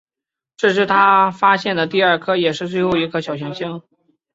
这是他发现的第二颗也是最后一颗小行星。